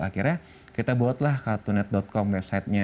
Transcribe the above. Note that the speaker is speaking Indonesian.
akhirnya kita buatlah kartunet com website nya